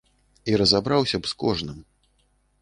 І разабраўся б з кожным.